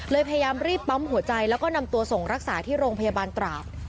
พยายามรีบปั๊มหัวใจแล้วก็นำตัวส่งรักษาที่โรงพยาบาลตราด